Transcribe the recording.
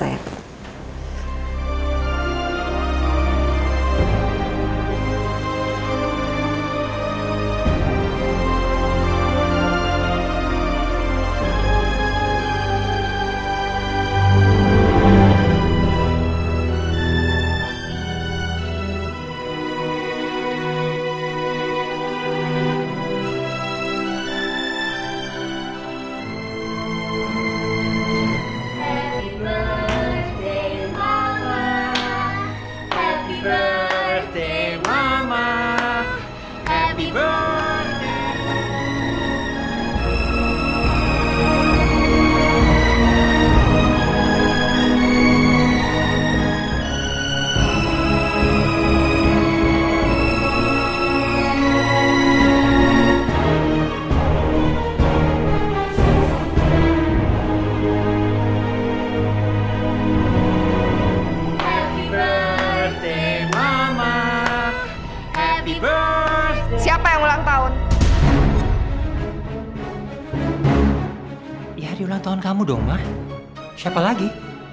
ya hari ulang tahun kamu dong mar siapa lagi